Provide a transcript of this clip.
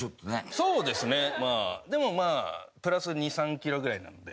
そうですねでもまあプラス２３キロぐらいなので。